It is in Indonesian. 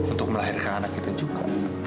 untuk melahirkan anak kita juga